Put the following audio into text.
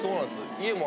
家も。